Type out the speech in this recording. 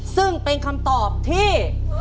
ซึ่งเป็นคำตอบที่